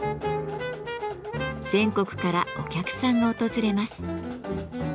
全国からお客さんが訪れます。